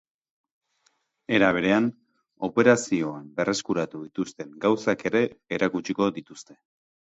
Era berean, operazioan berreskuratu dituzten gauzak ere erakutsiko dituzte.